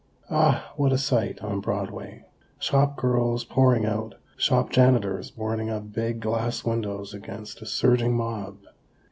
Ah, what a sight on Broadway! Shop girls pouring out! Shop janitors boarding up big glass windows against a surging mob!